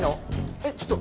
えっちょっと！